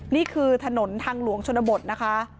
นี่คือถนนทางหลวงชนบทนะคะ